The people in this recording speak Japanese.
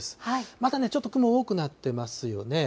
まだね、ちょっと雲多くなってますよね。